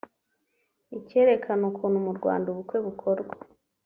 ikerekana ukuntu mu Rwanda ubukwe bukorwa